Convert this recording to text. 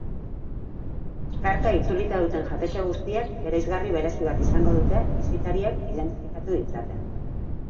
Karta itzulita duten jatetxe guztiek bereizgarri berezi bat izango duten bisitariek identifikatu ditzaten.